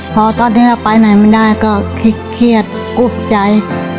พอตอนนี้เราไปไหนไม่ได้ก็เครียดอุบใจ